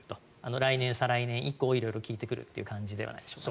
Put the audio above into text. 来年、再来年以降効いてくるという感じじゃないでしょうか。